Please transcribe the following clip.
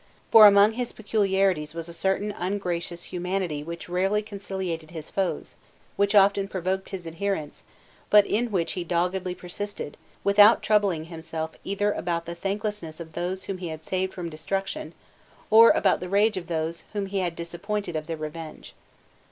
For among his peculiarities was a certain ungracious humanity which rarely conciliated his foes, which often provoked his adherents, but in which he doggedly persisted, without troubling himself either about the thanklessness of those whom he had saved from destruction, or about the rage of those whom he had disappointed of their revenge.